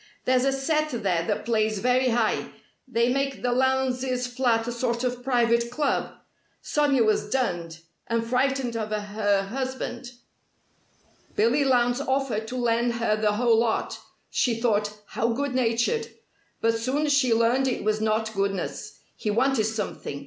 There's a set there that plays very high. They make the Lowndes' flat a sort of private club. Sonia was dunned and frightened of her husband. Billy Lowndes offered to lend her the whole lot. She thought, how good natured! But soon she learned it was not goodness. He wanted something.